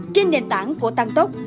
trên nền tảng của tăng tốc